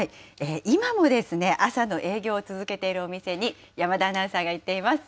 今も朝の営業を続けているお店に、山田アナウンサーが行っています。